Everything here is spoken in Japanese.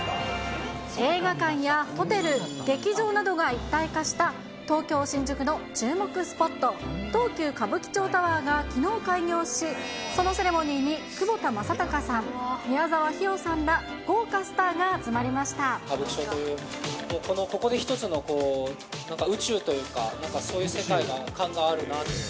映画館やホテル、劇場などが一体化した、東京・新宿の注目スポット、東急歌舞伎町タワーが、きのう開業し、そのセレモニーに、窪田正孝さん、宮沢氷魚さんら、歌舞伎町という、ここで一つの宇宙というか、なんか、そういう世界観があるなと思って。